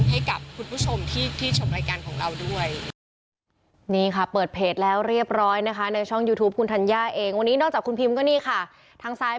ให้กับคุณผู้ชมที่ชมรายการของเราด้วย